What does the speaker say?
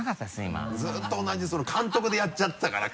今ずっと同じ監督でやっちゃってたから。